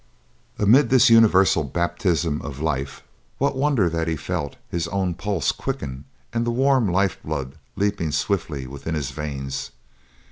Amid this universal baptism of life, what wonder that he felt his own pulse quicken and the warm life blood leaping swiftly within his veins!